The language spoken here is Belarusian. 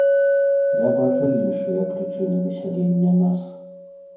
Я бачу іншыя прычыны высялення нас.